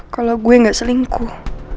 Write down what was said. kalau gue gak selingkuh